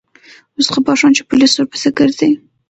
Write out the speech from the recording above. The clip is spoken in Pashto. اوس خبر شوم چې پولیس ورپسې گرځي.